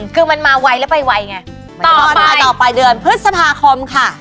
คือมันมาไวแล้วไปไวไงต่อมาต่อไปเดือนพฤษภาคมค่ะ